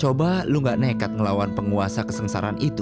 coba lu gak nekat melawan penguasa kesengsaraan itu